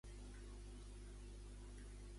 La reacció britànica, què ha provocat al país insular?